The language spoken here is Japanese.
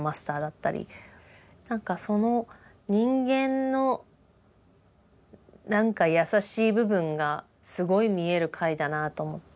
何かその人間の何か優しい部分がすごい見える回だなと思って。